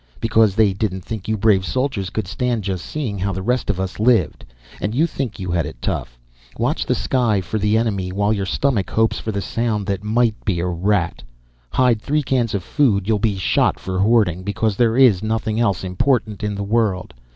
Because they didn't think you brave soldiers could stand just seeing how the rest of us lived! And you think you had it tough! Watch the sky for the enemy while your stomach hopes for the sound that might be a rat. Hide three cans of food you'll be shot for hoarding because there is nothing else important in the world.